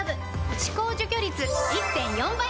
歯垢除去率 １．４ 倍！